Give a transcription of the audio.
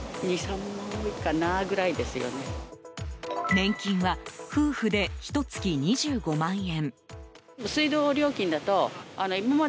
年金は夫婦でひと月２５万円。